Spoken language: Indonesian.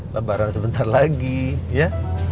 lebaran sebentar lagi ya